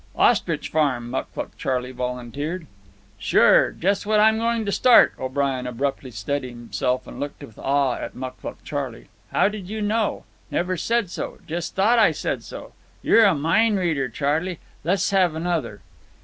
"Ostrich farm," Mucluc Charley volunteered. "Sure, just what I'm goin' to start." O'Brien abruptly steadied himself and looked with awe at Mucluc Charley. "How did you know? Never said so. Jes' thought I said so. You're a min' reader, Charley. Le's have another."